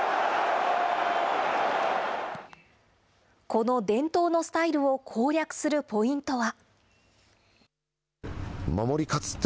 この伝統のスタイルを攻略するポイントは。